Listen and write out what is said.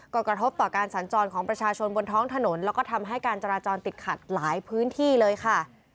ก็กระทบต่อการสัญจรของประชาชนบนท้องถนนแล้วก็ทำให้การจราจรติดขัดหลายพื้นที่เลยค่ะ